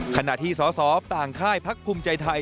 ขณะที่สสต่างค่ายพักภูมิใจไทย